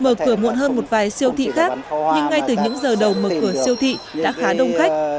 mở cửa muộn hơn một vài siêu thị khác nhưng ngay từ những giờ đầu mở cửa siêu thị đã khá đông khách